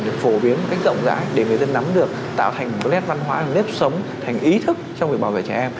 được phổ biến một cách rộng rãi để người dân nắm được tạo thành một nét văn hóa nếp sống thành ý thức trong việc bảo vệ trẻ em